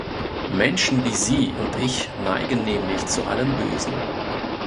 Menschen wie Sie und ich neigen nämlich zu allem Bösen.